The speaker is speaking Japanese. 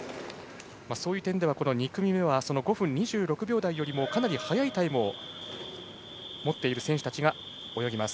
そういう点では２組目は５分２６秒台よりもかなり早いタイムを持っている選手たちが泳ぎます。